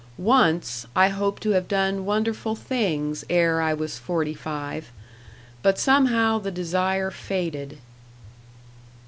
Once, I hoped to have done wonderful things ere I was forty five. But somehow the desire faded."